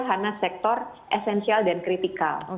karena sektor esensial dan kritikal